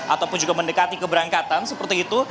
ataupun juga mendekati keberangkatan seperti itu